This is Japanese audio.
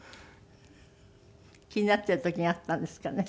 気になっている時があったんですかね。